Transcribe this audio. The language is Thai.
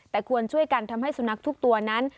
แต่ควรช่วยกันทำให้สุนัขทุกตัวนั้น